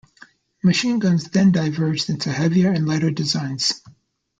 Machine guns then diverged into heavier and lighter designs.